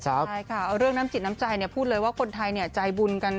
ใช่ค่ะเรื่องน้ำจิตน้ำใจพูดเลยว่าคนไทยใจบุญกัน